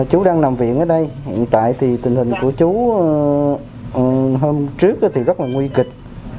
chú đang nằm viện ở đây hiện tại thì tình hình của chú hôm trước thì rất là nguy kịch